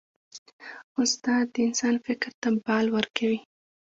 استاد د انسان فکر ته بال ورکوي.